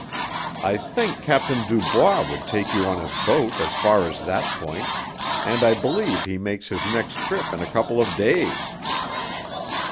I think Captain Dubois would take you on his boat as far as that point, and I believe he makes his next trip in a couple of days."